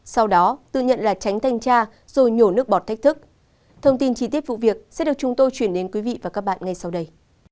sau đó tự nhận là tránh thanh tra rồi nhổ nước bọt thách thức thông tin chi tiết vụ việc sẽ được chúng tôi chuyển đến quý vị và các bạn ngay sau đây